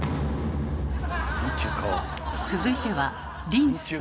続いてはリンス。